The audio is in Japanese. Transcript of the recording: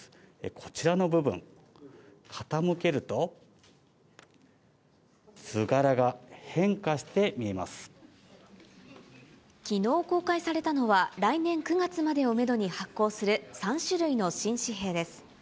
こちらの部分、きのう公開されたのは、来年９月までをメドに発行する３種類の新紙幣です。